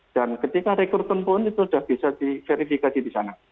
dan ketika rekrutan pun itu sudah bisa diverifikasi di sana